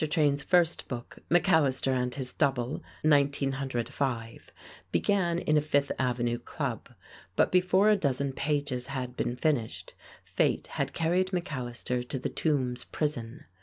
Train's first book, "McAllister and His Double" (1905), began in a Fifth Avenue club, but before a dozen pages had been finished, fate had carried McAllister to the Tombs Prison.